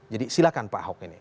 jadi silahkan pak ahok ini